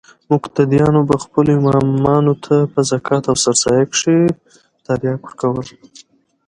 مقتديانو به خپلو امامانو ته په زکات او سرسايه کښې ترياک ورکول.